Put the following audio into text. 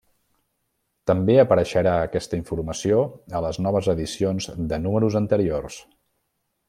També apareixerà aquesta informació a les noves edicions de números anteriors.